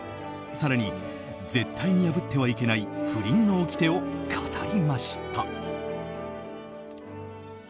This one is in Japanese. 更に、絶対に破ってはいけない不倫のおきてを語りました。